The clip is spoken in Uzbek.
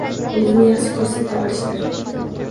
O’zini yaxshi ko’rsata olishdir